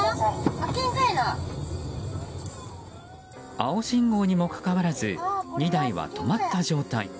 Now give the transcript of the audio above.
青信号にもかかわらず２台は止まった状態。